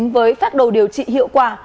với phát đầu điều trị hiệu quả